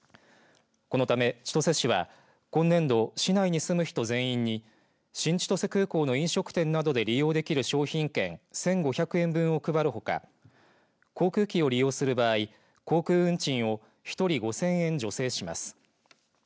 このため千歳市は今年度、市内に住む人全員に新千歳空港の飲食店などで利用できる商品券１５００円分を配るほか航空機を利用する場合航空運賃を１人５０００円、助成します。